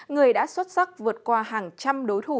người đã xuất sắc vượt qua hàng trăm đối thủ